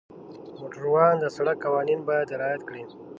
موټروان د سړک قوانین باید رعایت کړي.